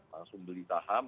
langsung beli saham